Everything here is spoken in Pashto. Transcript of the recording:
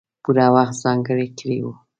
پوره وخت ځانګړی کړی وو.